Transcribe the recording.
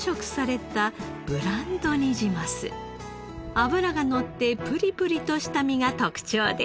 脂がのってプリプリとした身が特徴です。